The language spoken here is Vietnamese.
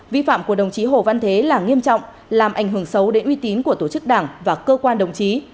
vi phạm của đồng chí hồ văn thế là nghiêm trọng làm ảnh hưởng xấu đến uy tín của tổ chức đảng và cơ quan đồng chí